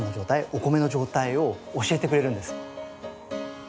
お米の状態を教えてくれるんです。